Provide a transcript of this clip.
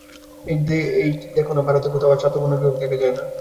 এই দেখ না ভারতের কোথাও আর চাতুর্বর্ণ্য-বিভাগ দেখা যায় না।